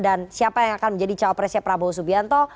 dan siapa yang akan menjadi cawapresnya prabowo subianto